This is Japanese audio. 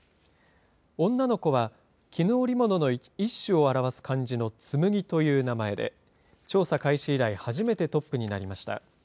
女の子は、絹織物の一種を表す漢字の紬という名前で、調査開始以来、初めてトップになりました。